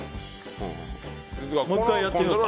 もう１回やってみようか。